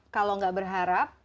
kalau gak berharap